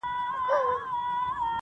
o زموږ د پلار او دنیکه په مقبره کي,